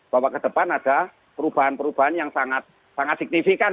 bahwa ke depan ada perubahan perubahan yang sangat signifikan